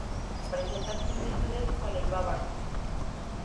Presenta similitudes con el bávaro.